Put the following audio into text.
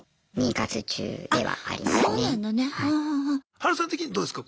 ハルさん的にどうですか？